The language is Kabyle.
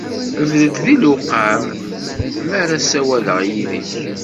Bded d lewqam mi ara ssawaleɣ yid-k!